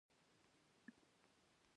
لیکنه د انسان یو خاموشه آواز دئ.